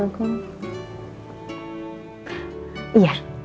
aku siap siap ya